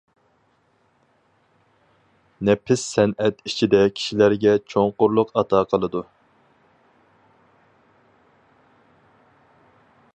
نەپىس سەنئەت ئىچىدە كىشىلەرگە چوڭقۇرلۇق ئاتا قىلىدۇ.